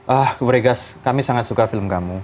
ah bu regas kami sangat suka film kamu